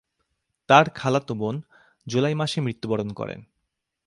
তার খালাতো বোন জুলাই মাসে মৃত্যুবরণ করে।